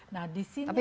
nah disinilah bagaimana